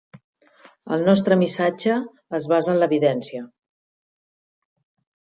El nostre missatge es basa en l'evidència.